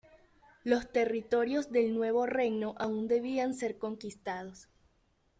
Los territorios del nuevo reino aún debían ser conquistados.